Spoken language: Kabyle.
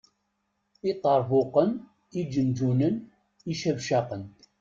Iṭerbuqen, iǧenǧunen, icabcaqen.